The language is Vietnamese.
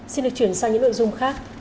xin được chuyển sang những nội dung khác